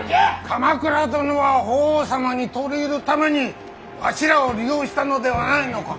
鎌倉殿は法皇様に取り入るためにわしらを利用したのではないのか。